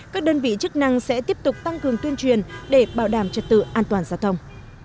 các đơn vị chức năng sẽ tiếp tục tăng cường tuyên truyền để bảo đảm trật tự an toàn giao thông